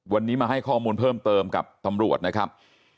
วันนี้มาให้ข้อมูลเพิ่มเติมกับตำรวจนะครับ